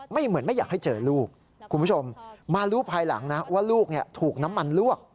เหมือนไม่อยากให้เจอลูกคุณผู้ชมมารู้ภายหลังนะว่าลูกถูกน้ำมันลวก